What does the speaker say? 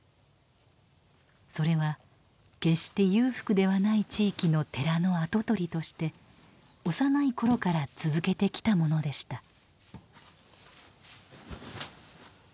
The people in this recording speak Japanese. それは決して裕福ではない地域の寺の跡取りとして幼い頃から続けてきたものでした。